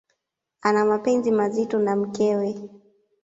Ana mapenzi mazito na mkewe.